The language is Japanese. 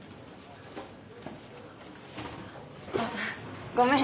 あごめん